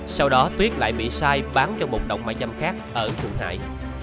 sau đó tuyết lại bị sai bán cho một động mãi chăm khác ở thượng hải